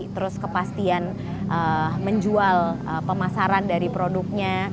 terus kepastian menjual pemasaran dari produknya